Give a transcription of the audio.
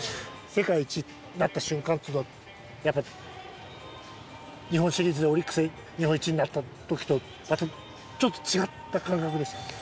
世界一になった瞬間っていうのはやっぱり日本シリーズでオリックス日本一になった時とまたちょっと違った感覚でした？